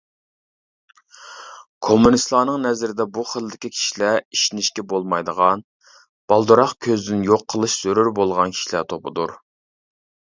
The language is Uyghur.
كوممۇنىستلارنىڭ نەزىرىدە بۇ خىلدىكى كىشىلەر ئىشىنىشكە بولمايدىغان، بالدۇرراق كۆزدىن يوق قىلىش زۆرۈر بولغان كىشىلەر توپىدۇر.